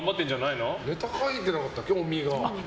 ネタ書いてなかったっけ、尾身が。